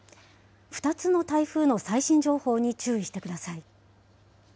２つの台風の最新情報に注意してください。